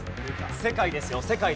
世界です。